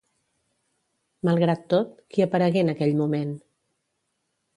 Malgrat tot, qui aparegué en aquell moment?